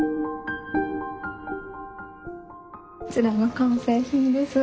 こちらが完成品です。